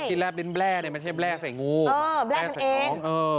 ที่แร่บลิ้นแบร่ไม่ใช่แบร่ใส่งูแบร่ใส่ของ